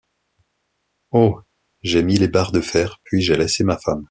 Oh! j’ai mis les barres de fer, puis j’ai laissé ma femme.